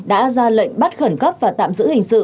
đã ra lệnh bắt khẩn cấp và tạm giữ hình sự